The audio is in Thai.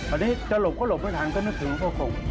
อันนี้จะหลบก็หลบไม่ทันก็นึกถึงหลวงพระคง